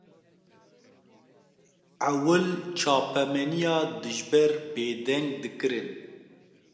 Ewil çapemeniya dijber bêdeng dikirin